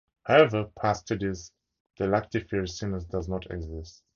However past studies the lactiferous sinus does not exist.